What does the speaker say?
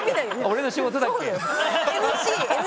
俺の仕事だっけ？